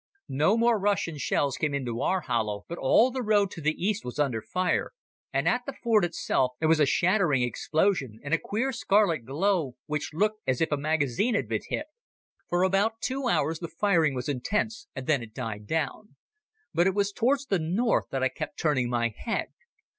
No more Russian shells came into our hollow, but all the road to the east was under fire, and at the Fort itself there was a shattering explosion and a queer scarlet glow which looked as if a magazine had been hit. For about two hours the firing was intense, and then it died down. But it was towards the north that I kept turning my head.